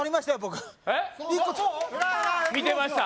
１個見てました